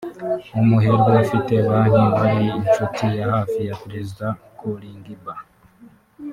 umuherwe ufite banki wari inshuti ya hafi ya Perezida Kolingba